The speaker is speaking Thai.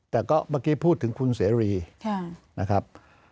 แต่ก็เมื่อกี้พูดถึงคุณเสรีนะครับ